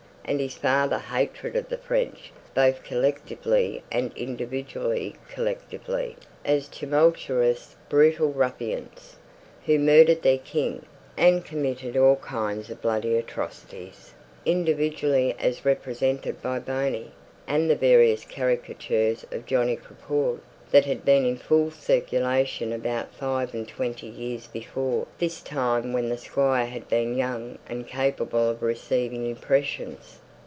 And his father's hatred of the French, both collectively and individually collectively, as tumultuous brutal ruffians, who murdered their king, and committed all kinds of bloody atrocities individually, as represented by "Boney," and the various caricatures of "Johnny Crapaud" that had been in full circulation about five and twenty years before this time, when the Squire had been young and capable of receiving impressions.